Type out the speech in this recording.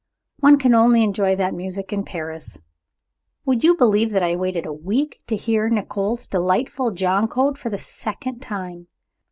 One can only enjoy that music in Paris. Would you believe that I waited a week to hear Nicolo's delightful Joconde for the second time.